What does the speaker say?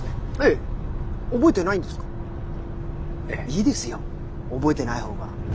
いいですよ覚えてない方が。